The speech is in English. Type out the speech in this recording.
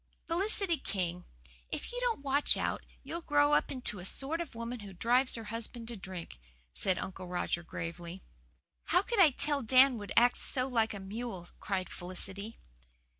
"Felicity King, if you don't watch out you'll grow up into the sort of woman who drives her husband to drink," said Uncle Roger gravely. "How could I tell Dan would act so like a mule!" cried Felicity.